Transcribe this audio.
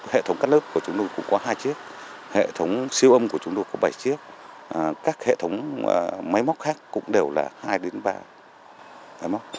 hệ thống cắt lớp của chúng tôi cũng có hai chiếc hệ thống siêu âm của chúng tôi có bảy chiếc các hệ thống máy móc khác cũng đều là hai đến ba máy móc